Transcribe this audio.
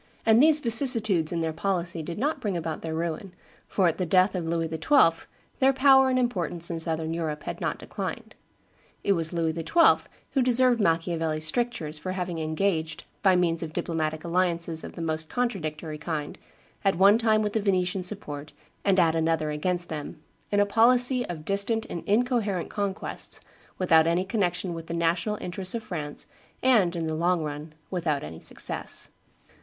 And these vicissitudes in their policy did not bring about their ruin, for at the death of Louis XII. their power and importance in Southern Europe had not declined. It was Louis XII. who deserved Machiavelli's strictures for having engaged, by means of diplomatic alliances of the most contradictory kind, at one time with the Venetians' support, and at another against them, in a policy of distant and incoherent conquests, without any connection with the national interests of France, and, in the long run, without any success.